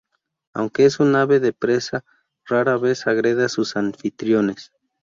Aunque es un ave de presa rara vez agrede a sus anfitriones.